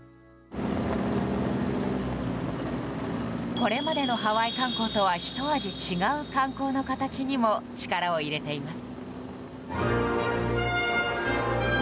これまでのハワイ観光とはひと味違う観光の形にも力を入れています。